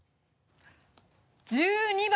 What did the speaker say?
１２番。